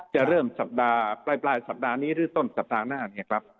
จะเริ่มปลายสัปดาห์นี้หรือต้นสัปดาห์หน้า